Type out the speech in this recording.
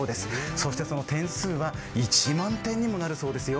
そしてその点数は１万点にもなるそうですよ。